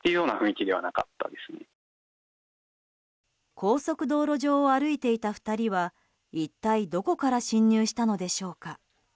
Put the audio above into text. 高速道路上を歩いていた２人は一体どこから侵入したのでしょうか。